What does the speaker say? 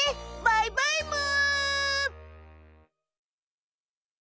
バイバイむ！